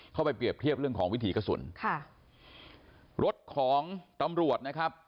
ไปเปรียบเทียบเรื่องของวิถีกระสุนค่ะรถของตำรวจนะครับ